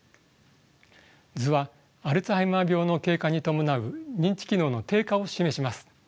図はアルツハイマー病の経過に伴う認知機能の低下を示します。